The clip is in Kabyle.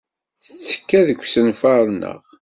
Tettekka deg usenfar-nneɣ.